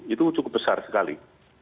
itu cukup besar sekali